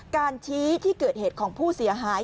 การชี้ที่เกิดเหตุของผู้เสียหาย